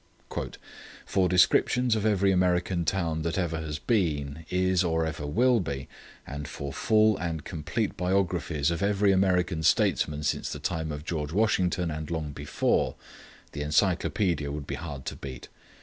"For descriptions of every American town that ever has been, is, or ever will be, and for full and complete biographies of every American statesman since the time of George Washington and long before, the Encyclopædia would be hard to beat.